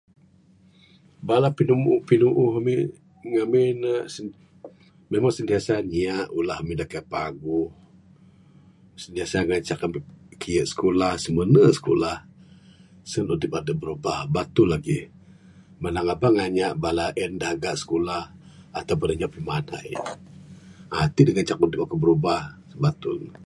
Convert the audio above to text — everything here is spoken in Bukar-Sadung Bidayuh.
Bala pinumu pinuuh ami ngamin ne...memang sentiasa nyiak ulah ami da kaii paguh...sentiasa ngancak ami kiye sikulah...mene sikulah sen udip adep birubah batul lagih manang aba ngayak bala en da aga sikulah ataupun anyap pimanai uhh ti da ngancak udip aku birubah batul ne.